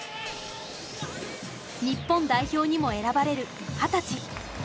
日本代表にも選ばれる二十歳。